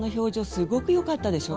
すごくよかったでしょう。